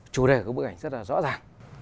chủ đề của bức ảnh rất là rõ ràng